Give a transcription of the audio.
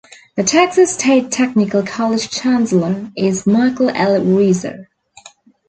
The Texas State Technical College chancellor is Michael L. Reeser.